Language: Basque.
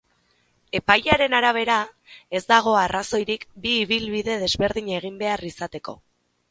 Epailearen arabera, ez dago arrazoirik bi ibilbide desberdin egin behar izateko.